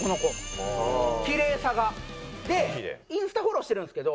キレイさが。でインスタフォローしてるんですけど。